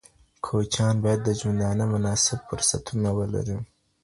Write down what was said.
کوچیان باید د ژوندانه مناسب فرصتونه ولري.